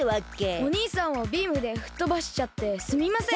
お兄さんをビームでふっとばしちゃってすみません！